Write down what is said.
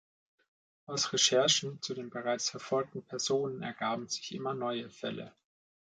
Aus Recherchen zu den bereits verfolgten Personen ergaben sich immer neue Fälle.